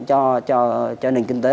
cho nền kinh tế